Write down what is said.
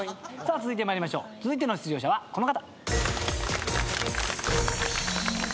続いての出場者はこの方。